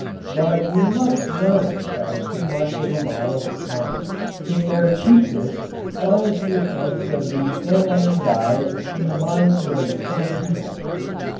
But we must not expect too much of a mollusk's mind. In their cheapness lies the offense of the aniline dyes in the minds of some people.